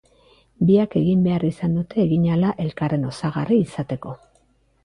Biak egin behar izan dute eginahala elkarren osagarri izateko.